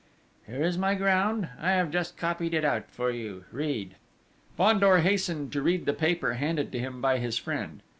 "Here is my ground! I have just copied it out for you! Read!..." Fandor hastened to read the paper handed to him by his friend.